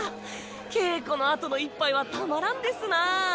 稽古のあとの一杯はたまらんですなぁ。